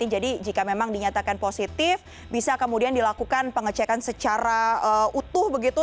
jadi jika memang dinyatakan positif bisa kemudian dilakukan pengecekan secara utuh begitu